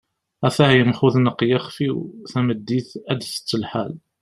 at-ah yemxudneq yixef-iw, tameddit ad tett lḥal